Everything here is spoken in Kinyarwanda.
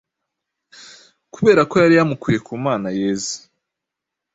kubera ko yari yamukuye ku mana yeze.